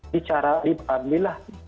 dicara di parli lah